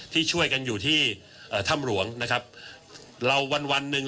ที่ช่วยกันอยู่ที่เอ่อถ้ำหลวงนะครับเราวันวันหนึ่ง